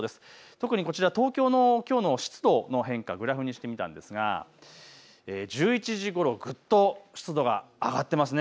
特に東京の湿度の変化、グラフにしてみたんですが１１時ごろぐっと湿度が上がっていますね。